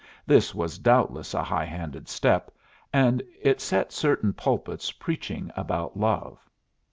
This was doubtless a high handed step, and it set certain pulpits preaching about love.